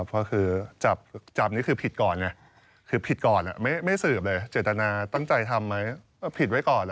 เพราะจับนี่คือผิดก่อนไม่สืบเลยเจตนาตั้งใจทำไหมแต่ผิดไว้ก่อน